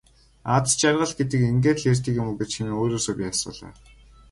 Аз жаргал гэдэг ингээд л ирдэг юм гэж үү хэмээн өөрөөсөө би асуулаа.